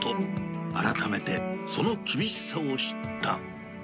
改めてその厳しさを知った。